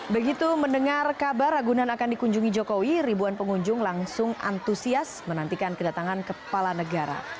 begitu mendengar kabar ragunan akan dikunjungi jokowi ribuan pengunjung langsung antusias menantikan kedatangan kepala negara